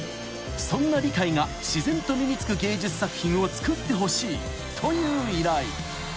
［そんな理解が自然と身に付く芸術作品を作ってほしいという依頼］